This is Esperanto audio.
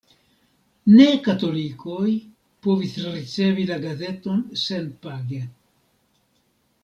Ne-katolikoj povis ricevi la gazeton senpage.